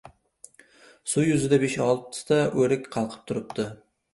Suv yuzida besh-oltita o‘rik qalqib turibdi: